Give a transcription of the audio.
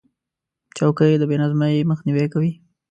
چوکۍ د بې نظمۍ مخنیوی کوي.